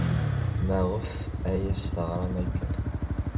Maɣef ay as-teɣram akken?